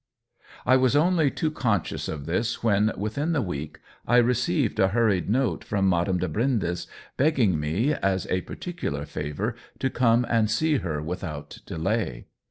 I was only too conscious of this when, within the week, I received a hurried note from Madame de Brindes, begging me, as a particular favor, to come and see her with out delay.